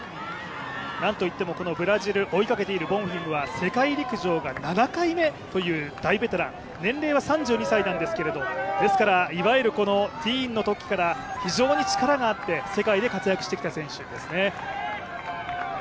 なんといってもブラジル追いかけているボンフィムは世界陸上が７回目という大ベテラン年齢は３２歳なんですけれどいわゆるティーンのときから非常に力があって、世界で活躍してきた選手なんですね。